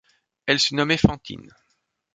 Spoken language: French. Elle se nommait Fantine.